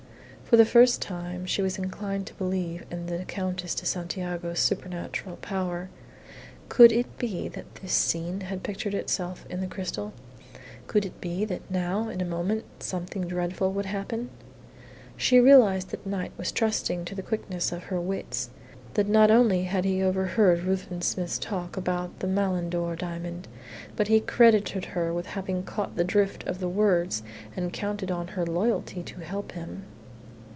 For the first time she inclined to believe in the Countess de Santiago's supernatural power. Could it be that this scene had pictured itself in the crystal? Could it be that now in a moment something dreadful would happen? She realized that Knight was trusting to the quickness of her wits; that not only had he overheard Ruthven Smith's talk about the Malindore diamond, but he credited her with having caught the drift of the words, and counted on her loyalty to help him.